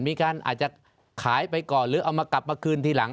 อาจจะขายไปก่อนหรือเอามากลับมาคืนทีหลัง